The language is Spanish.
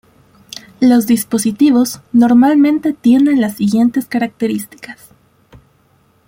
Los dispositivos, normalmente tienen las siguientes características.